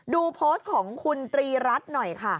ดูโพสต์ของคุณตรีรัฐหน่อยค่ะ